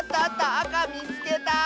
あかみつけた！